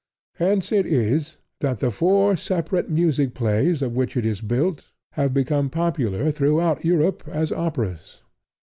Hence it is that the four separate music plays of which it is built have become popular throughout Europe as operas.